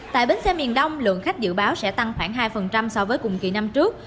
tại bến xe miền đông lượng khách dự báo sẽ tăng khoảng hai so với cùng kỳ năm trước